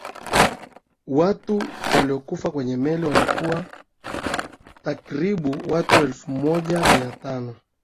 watu waliyokufa kwenye meli walikuwa takiribu watu elfu moja mia tano